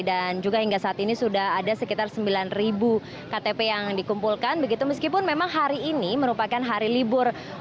dan juga hingga saat ini sudah ada sekitar sembilan ktp yang dikumpulkan begitu meskipun memang hari ini merupakan hari libur